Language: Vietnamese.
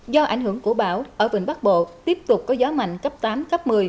do ảnh hưởng của bão ở vịnh bắc bộ tiếp tục có gió mạnh cấp tám cấp một mươi